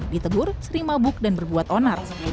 ditegur sri mabuk dan berbuat onar